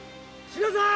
志乃さん。